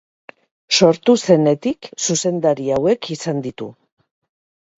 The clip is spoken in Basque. Sortu zenetik, zuzendari hauek izan ditu.